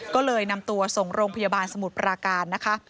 ก็เลยนำตัวส่งโรงพยาบาลสมุทรปราการนะคะ